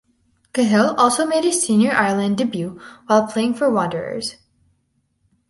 Cahill also made his senior Ireland debut while playing for Wanderers.